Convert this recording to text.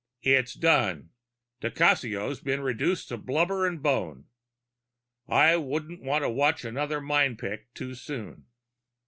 "It's done. Di Cassio's been reduced to blubber and bone. I wouldn't want to watch another mind picking too soon."